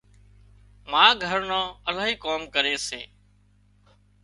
ما گھر نان الاهي ڪام ڪري سي